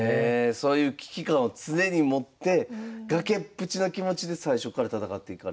そういう危機感を常に持って崖っぷちの気持ちで最初っから戦っていかれたと。